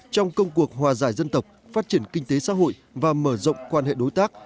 trong công cuộc hòa giải dân tộc phát triển kinh tế xã hội và mở rộng quan hệ đối tác